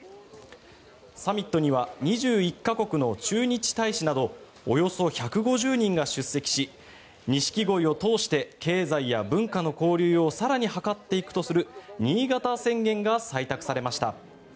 サミットには２１か国の駐日大使などおよそ１５０人が出席しニシキゴイを通して経済や文化の交流を更に図っていくとする新潟宣言が採択されました。